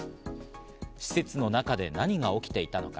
施設の中で何が起きていたのか。